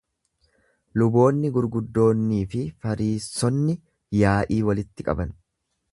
Luboonni gurguddoonni fi Fariissonni yaa'ii walitti qaban.